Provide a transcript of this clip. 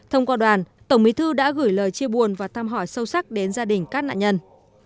thông qua đoàn tổng bí thư đã gửi lời chia buồn và thăm hỏi sâu sắc đến gia đình các nạn nhân